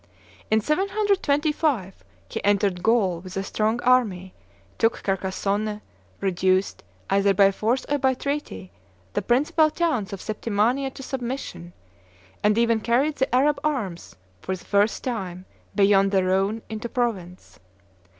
In 725, he entered Gaul with a strong army; took Carcassonne; reduced, either by force or by treaty, the principal towns of Septimania to submission; and even carried the Arab arms, for the first time, beyond the Rhone into Provence.